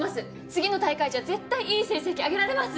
次の大会じゃ絶対いい成績あげられます！